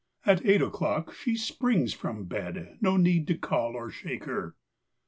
At eight o'clock she springs from bed No need to call or shake her.